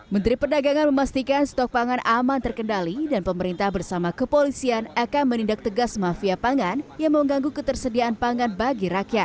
menteri perdagangan memastikan stok pangan aman terkendali dan pemerintah bersama kepolisian akan menindak tegas mafia pangan yang mengganggu ketersediaan pangan bagi rakyat